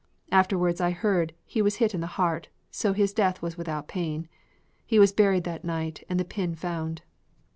Afterwards I heard he was hit in the heart, so his death was without pain. He was buried that night and the pin found.